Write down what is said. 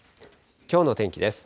きょうの天気です。